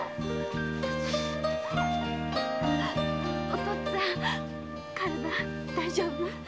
お父っつぁん体大丈夫？